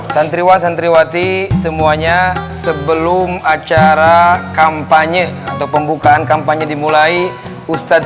santriwa santriwati semuanya sebelum acara kampanye atau pembukaan kampanye dimulai ustadz